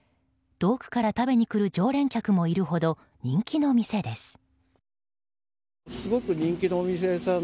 遠くから食べにくる常連客もいるほど人気の店です。